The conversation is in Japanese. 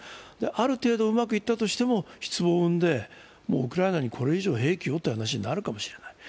ある程度うまくいったとしても失望を生んでウクライナにこれ以上兵器をという話になるかもしれない。